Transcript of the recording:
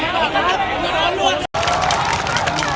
สวัสดีครับทุกคน